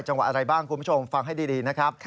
จังหวัดอะไรบ้างคุณผู้ชมฟังให้ดีนะครับ